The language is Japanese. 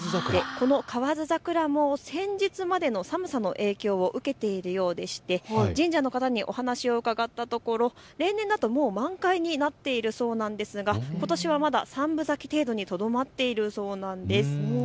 この河津桜も先日までの寒さの影響を受けているようでして神社の方にお話を伺ったところ、例年だともう満開になっているそうなんですがことしはまだ３分咲き程度にとどまっているそうなんです。